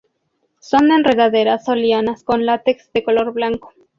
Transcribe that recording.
Son enredaderas o lianas, con látex de color blanco.